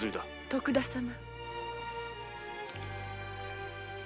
「徳田様」？